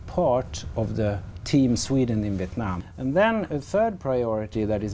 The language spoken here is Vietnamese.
và với những người bạn gái việt nam mà tôi đã gặp